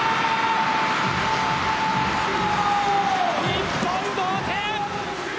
日本同点！